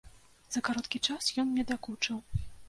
За кароткі час ён мне дакучыў.